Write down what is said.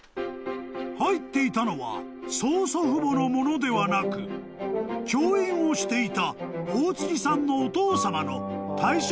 ［入っていたのは曽祖父母のものではなく教員をしていた大槻さんのお父さまの］